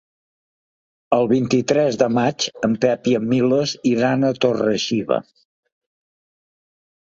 El vint-i-tres de maig en Pep i en Milos iran a Torre-xiva.